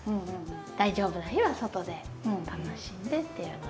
大丈夫な日は外で楽しんでっていうので。